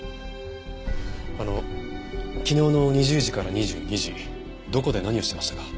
あの昨日の２０時から２２時どこで何をしてましたか？